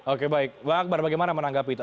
oke baik pak habar bagaimana menanggapi itu